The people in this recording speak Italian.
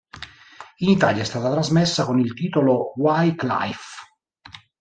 In Italia è stata trasmessa con il titolo "Wycliffe".